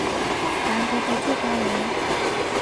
兰德的座标为。